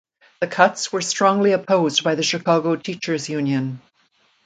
The cuts were strongly opposed by the Chicago Teachers Union.